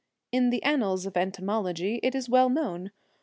In the annals of entomology it is well known.